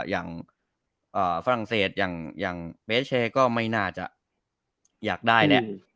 อย่างฝรั่งเศสอย่างเปเชก็ไม่น่าจะอยากได้แหละ